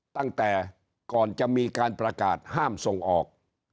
ตั้งแต่ก่อนจะมีการประกาศห้ามส่งออก